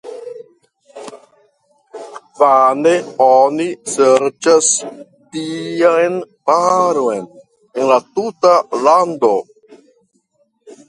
Vane oni serĉas tian paron en la tuta lando.